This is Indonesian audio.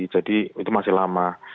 jadi itu masih lama